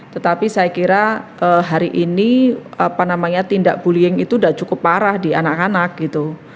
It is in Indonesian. tetapi saya kira hari ini tindak bu liying itu sudah cukup parah di anak anak gitu